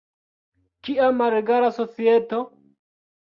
Kia malegala societo!